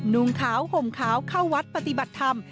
นุ่งขาวห่มขาวเข้าวัดปฏิบัติธรรม